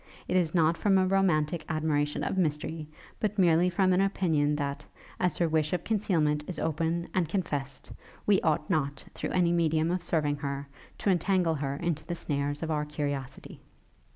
It is not from a romantic admiration of mystery, but merely from an opinion that, as her wish of concealment is open and confessed, we ought not, through the medium of serving her, to entangle her into the snares of our curiosity.'